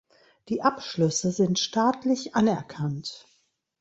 Die Abschlüsse sind staatlich anerkannt.